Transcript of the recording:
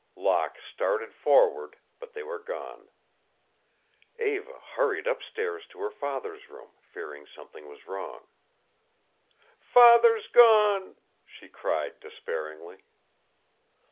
Locke started forward, but they were gone. Eva hurried up stairs to her father's room, fearing something was wrong. "Father's gone!" she cried, despairingly.